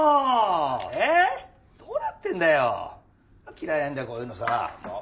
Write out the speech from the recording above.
嫌いなんだよこういうのさ。